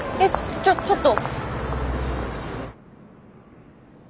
ちょちょっと。